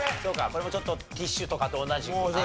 これもちょっとティッシュとかと同じくね。